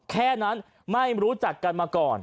แค่นั้นไม่รู้จักกันมาก่อน